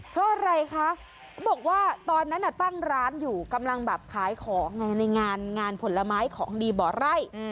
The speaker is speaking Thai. เพราะอะไรคะเขาบอกว่าตอนนั้นตั้งร้านอยู่กำลังแบบขายของไงในงานงานผลไม้ของดีบ่อไร่